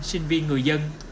sinh viên người dân